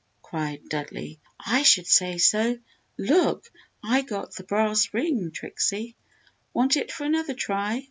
cried Dudley. "I should say so! Look, I got the brass ring Trixie! Want it for another try?"